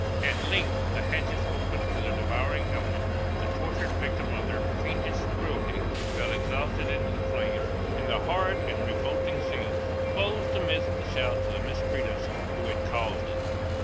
At length the hatches opened to the devouring element, the tortured victim of their fiendish cruelty fell exhausted into the flames, and the horrid and revolting scene closed amidst the shouts of the miscreants who had caused it.